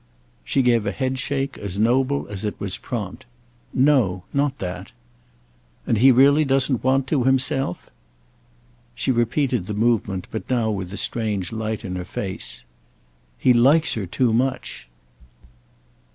She gave a headshake as noble as it was prompt. "No—not that." "And he really doesn't want to himself?" She repeated the movement, but now with a strange light in her face. "He likes her too much."